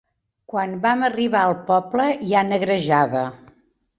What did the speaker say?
Quan vam arribar al poble, ja negrejava.